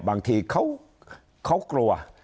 บางทีเขากลัว